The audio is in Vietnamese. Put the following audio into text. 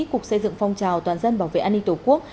cục xây dựng phong trào toàn dân bảo vệ an ninh tổ quốc